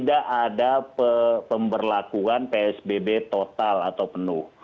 tidak ada pemberlakuan psbb total atau penuh